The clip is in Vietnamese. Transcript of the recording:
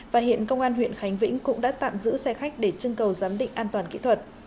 và hiện công an huyện khánh vĩnh cũng đã tạm giữ xe khách để chân cầu giám định an toàn kỹ thuật